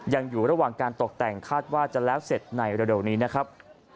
ยังอยู่ระหว่างการตกแต่งคาดว่าจะแล้วเสร็จในเร็วนี้นะครับ